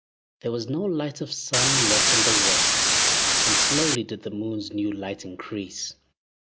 There was no light of sun left in the west, And slowly did the moon's new light increase.